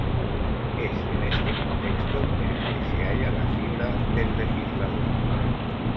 Es en este contexto en el que se halla la fibra del legislador.